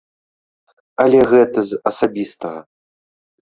Але гэта з асабістага.